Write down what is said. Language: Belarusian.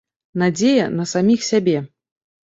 Надзея на саміх сябе.